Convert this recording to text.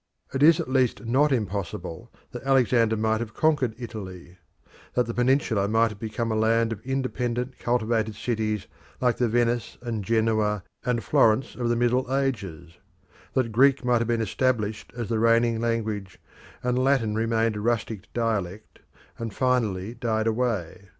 It is at least not impossible that Alexander might have conquered Italy; that the peninsula might have become a land of independent cultivated cities like the Venice and Genoa and Florence of the Middle Ages; that Greek might have been established as the reigning language, and Latin remained a rustic dialect and finally died away.